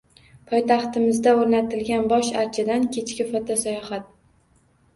Poytaxtimizda o‘rnatilgan bosh archadan kechki fotosayohat